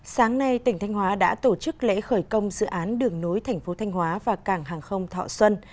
sáng nay tỉnh thanh hóa đã tổ chức lễ khởi công dự án đường nối thành phố thanh hóa và cảng hàng không thọ xuân